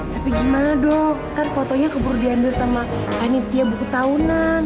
tapi gimana dok kan fotonya keburu diambil sama aditya buku tahunan